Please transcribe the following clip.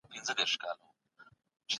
مديرانو د کار مؤلديت په دقت سره محاسبه کړ.